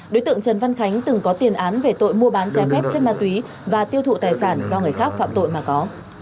đối tượng trần văn khánh từng có tiền án về tội mua bán trái phép chất ma túy và tiêu thụ tài sản do người khác phạm tội mà có